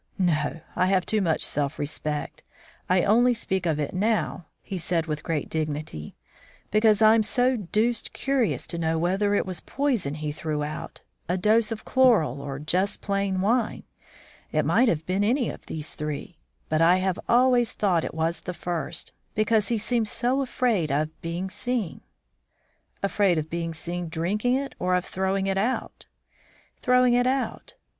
No, I have too much self respect. I only speak of it now," said he with great dignity, "because I'm so deuced curious to know whether it was poison he threw out, a dose of chloral, or just plain wine. It might have been any of these three, but I have always thought it was the first, because he seemed so afraid of being seen." "Afraid of being seen drinking it or of throwing it out?" "Throwing it out."